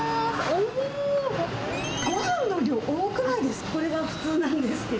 おー、ごはんの量、多くないですか。